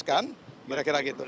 kan kira kira gitu